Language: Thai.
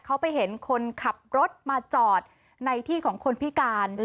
เขาไปเห็นคนขับรถมาจอดในที่ของคนพิการ